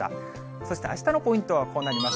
そしてあしたのポイントはこうなります。